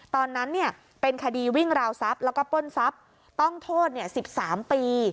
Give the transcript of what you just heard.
ตอนนั้นเป็นคดีวิ่งราวทรัพย์แล้วก็ปล้นทรัพย์ต้องโทษ๑๓ปี